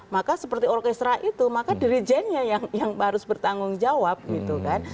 maka seperti orkestra itu maka dirijennya yang harus bertanggung jawab gitu kan